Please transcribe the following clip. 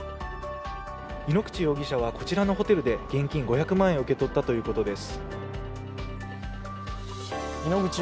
井ノ口容疑者はこちらのホテルで現金５００万円を受け取ったということです。